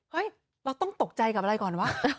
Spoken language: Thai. เราต้องตกใจกับอะไรก่อนวะ